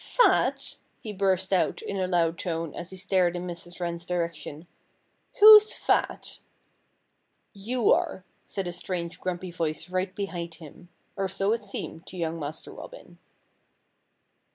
"Fat!" he burst out in a loud tone as he stared in Mrs. Wren's direction. "Who's fat?" "You are!" said a strange, grumpy voice right behind him or so it seemed to young Master Robin.